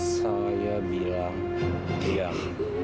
saya bilang diam